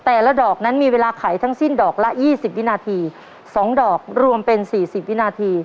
แต่ละดอกนั้นมีเวลาไขทั้งสิ้นดอกละ๒๐วินาที๒ดอกรวมเป็น๔๐วินาที